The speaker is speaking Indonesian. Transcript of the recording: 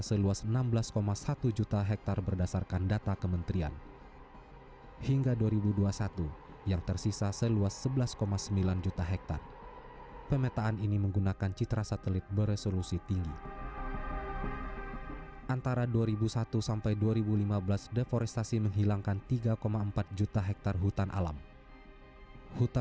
yang setelah kita investigasi bersama sama dengan balai veteriner dan dinas terkait